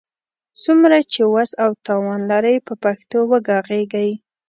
څومره چي وس او توان لرئ، په پښتو وږغېږئ!